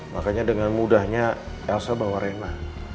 makanya dengan mudahnya elsa bawa rena